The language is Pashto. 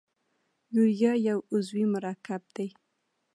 یوریا یو عضوي مرکب دی.